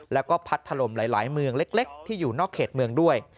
แล้วก็พัดถล่มหลายเมืองเล็กที่อยู่นอกเขตเมืองด้วย